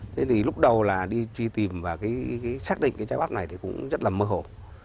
thế thì lúc đầu là đi truy tìm và xác định cái trái bắt này thì cũng rất là mơ hồ